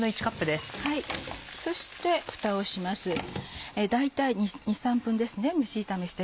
そしてフタをします。